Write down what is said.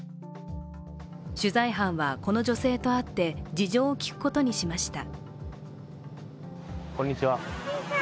取材班は、この女性と会って、事情を聞くことにしました。